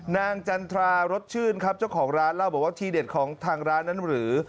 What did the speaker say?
จันทรารสชื่นครับเจ้าของร้านเล่าบอกว่าทีเด็ดของทางร้านนั้นหรือ